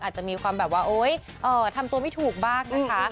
อาจจะมีความแบบว่าโอ๊ยทำตัวไม่ถูกบ้างนะคะ